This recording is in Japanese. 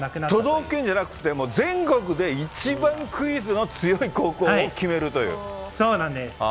都道府県じゃなくて、もう全国で一番クイズの強い高校を決めそうなんです。